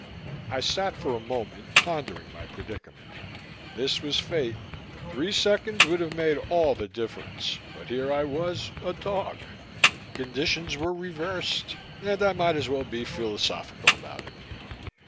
I sat for a moment, pondering my predicament. This was Fate. Three seconds would have made all the difference but here I was, a dog. Conditions were reversed and I might as well be philosophical about it.